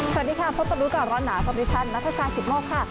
สวัสดีค่ะพบกับร้อนหนาสวัสดีค่ะนักภาษาศิลป์โมกค่ะ